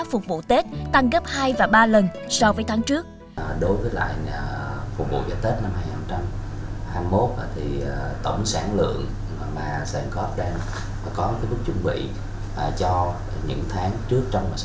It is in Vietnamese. phục vụ tết tăng các nguồn hàng hóa